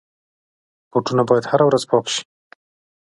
بوټونه باید هره ورځ پاک شي.